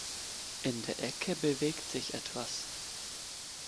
In der Ecke bewegt sich etwas.